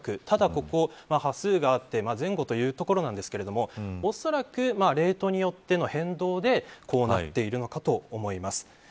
ここは端数があって、前後というところもありますがおそらくレートによっての変動でこうなっているのかと思います。